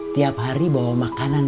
tiap hari bawa makanan